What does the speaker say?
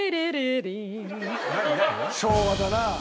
昭和だな。